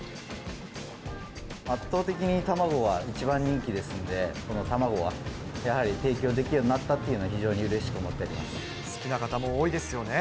圧倒的に卵は一番人気ですんで、卵がやはり提供できるようになったというのは、非常にうれし好きな方も多いですよね。